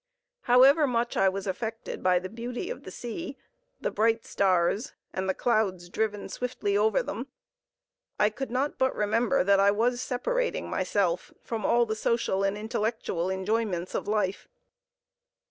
However much I was affected by the beauty of the sea, the bright stars, and the clouds driven swiftly over them, I could not but remember that I was separating myself from all the social and intellectual enjoyments of life.